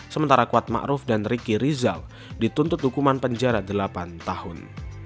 sementara kuat ma ruf dan ricky rizal dituntut hukuman penjara delapan tahun